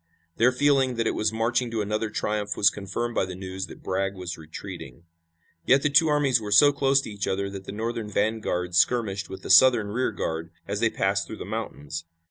Their feeling that it was marching to another triumph was confirmed by the news that Bragg was retreating. Yet the two armies were so close to each other that the Northern vanguard skirmished with the Southern rearguard as they passed through the mountains.